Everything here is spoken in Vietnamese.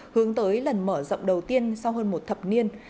hướng tới lần mở rộng đầu tiên sau hơn một thập niên